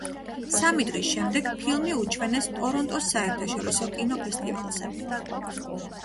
სამი დღის შემდეგ ფილმი უჩვენეს ტორონტოს საერთაშორისო კინოფესტივალზე.